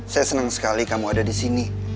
saya senang sekali kamu ada disini